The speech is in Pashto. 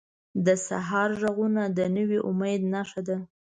د سهار ږغونه د نوي امید نښه وي.